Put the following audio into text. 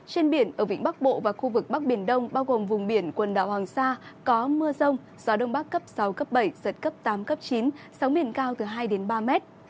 trên biển ở vĩnh bắc bộ và khu vực bắc biển đông bao gồm vùng biển quần đảo hoàng sa có mưa rông gió đông bắc cấp sáu cấp bảy giật cấp tám cấp chín sóng biển cao từ hai đến ba mét